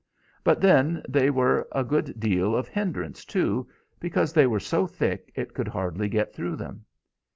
But then they were a good deal of a hinderance, too, because they were so thick it could hardly get through them.